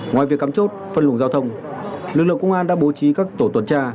ngoài việc cắm chốt phân luồng giao thông lực lượng công an đã bố trí các tổ tuần tra